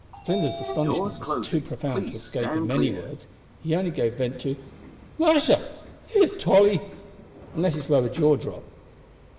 Flinders's astonishment was too profound to escape in many words. He only gave vent to, "Musha! there's Tolly!" and let his lower jaw drop.